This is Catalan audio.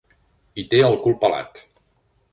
Hi té el cul pelat.